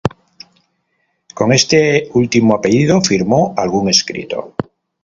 Con este último apellido firmó algún escrito.